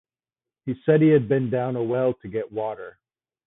He said he had been down a well to get water.